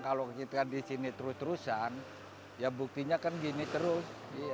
kalau kita di sini terus terusan ya buktinya kan gini terus